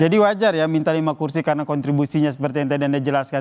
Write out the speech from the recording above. jadi wajar ya minta lima kursi karena kontribusinya seperti yang tadi anda jelaskan